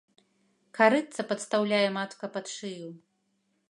Карытца падстаўляе матка пад шыю.